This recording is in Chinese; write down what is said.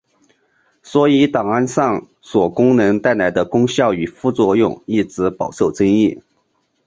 所以档案上锁功能带来的功效与副作用一直饱受争议。